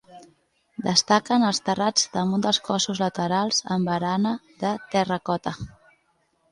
Destaquen els terrats damunt dels cossos laterals amb barana de terracota.